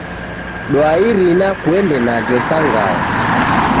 Dwa Irina kuenda najo sa ngao.